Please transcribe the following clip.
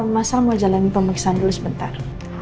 mas al mau jalani pemikiran dulu sebentar